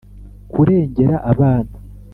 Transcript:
kurengera abana.